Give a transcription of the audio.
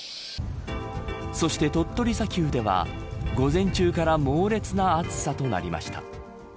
そして鳥取砂丘では午前中から猛烈な暑さとなりました。